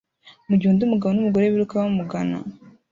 mugihe undi mugabo numugore biruka bamugana